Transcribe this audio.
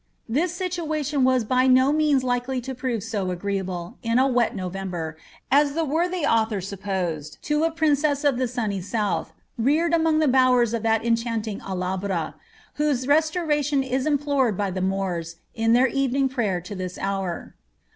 '" This situation was by no means likely to prove so agree able in a wet November as the worthy author supposed to a princess of the 8U«!S7 south, reared among the bowers of that enchanting Alhambra, whose restoration is implored by the Moors in their evening prayer to this hour.